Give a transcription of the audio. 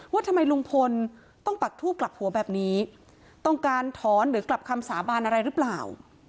ว่าทำไมลุงพลต้องปักทูบกลับหัวแบบนี้ต้องการถอนหรือกลับคำสาบานอะไรหรือเปล่า